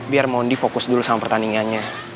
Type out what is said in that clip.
biar mondi fokus dulu sama pertandingannya